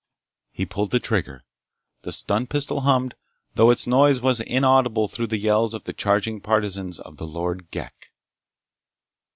He pulled the trigger. The stun pistol hummed, though its noise was inaudible through the yells of the charging partisans of the Lord Ghek.